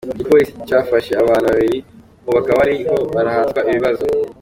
Igipolisi cafashe abantu babiri ubu bakaba bariko barahatwa ibibazo.